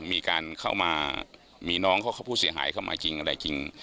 มีการเข้ามามีน้องเขาผู้เสียหายเข้ามาจริงอะไรจริง